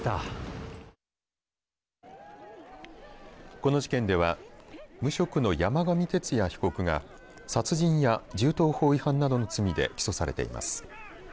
この事件では無職の山上徹也被告が殺人や銃刀法違反などの罪で起訴されています。